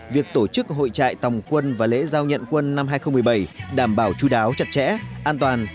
việc tổ chức hội trại tòng quân và lễ giao nhận quân năm hai nghìn một mươi bảy đảm bảo chú đáo chặt chẽ an toàn